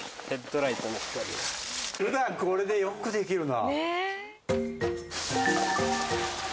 普段これでよくできるな。